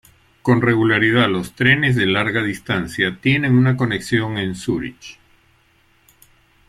Con regularidad, los trenes de larga distancia tienen una conexión en Zúrich.